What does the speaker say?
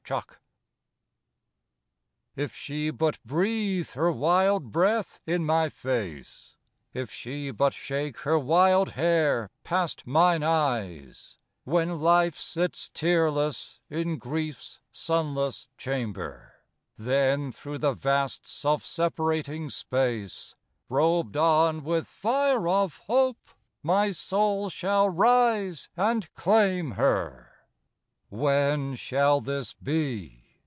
ROSEMARY I If she but breathe her wild breath in my face, If she but shake her wild hair past mine eyes, When life sits tearless in grief's sunless chamber, Then through the vasts of separating space, Robed on with fire of hope my soul shall rise And claim her. II When shall this be?